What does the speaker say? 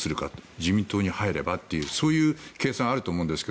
自民党に入ればというそういう計算があると思うんですけど